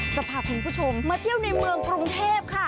จะพาคุณผู้ชมมาเที่ยวในเมืองกรุงเทพค่ะ